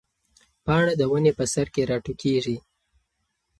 پاڼه د ونې په سر کې راټوکېږي.